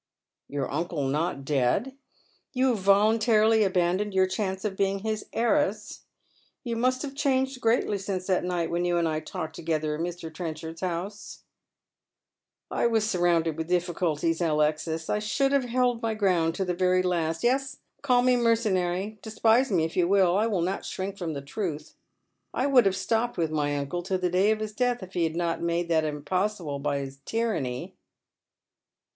" Your uncle not dead ! You have voluntarily abandoucu jrour chance of being his heiress ? You must have changed greatly since that niglit when you and I talked together •in Mr. Treu chard's house ?" I was surrounded with difficulties, Alexis. I should have held my gi ound to the very last ;— yes, call me mercenary, despise me if you will, I will not shrink from the truth ;— I would have stopped with my uncle till the day of his death if he had not made that impossible by bis tyranny."